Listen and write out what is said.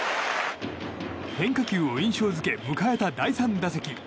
変化球を印象付け迎えた第３打席。